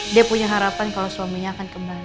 dia punya harapan kalau suaminya akan kembali